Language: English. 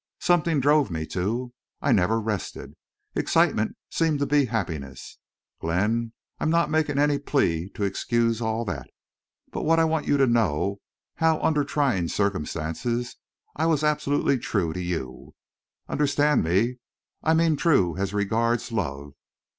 Something drove me to. I never rested. Excitement seemed to be happiness—Glenn, I am not making any plea to excuse all that. But I want you to know—how under trying circumstances—I was absolutely true to you. Understand me. I mean true as regards love.